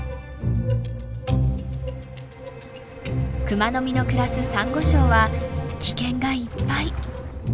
クマノミの暮らすサンゴ礁は危険がいっぱい。